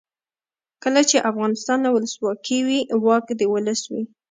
کله چې افغانستان کې ولسواکي وي واک د ولس وي.